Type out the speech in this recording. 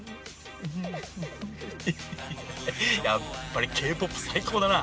ヘヘヘやっぱりＫ−ＰＯＰ最高だな！